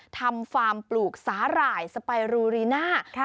ฟาร์มปลูกสาหร่ายสไปรูรีน่า